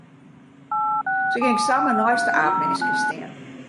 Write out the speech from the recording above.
Se gyng samar neist de aapminske stean.